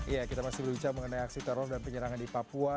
ya kita masih berbicara mengenai aksi teror dan penyerangan di papua